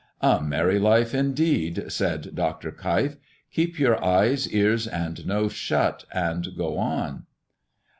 "A merry life, indeed!" said Dr. Keif. "Keep your eyes, ears, and nose shut, and go on."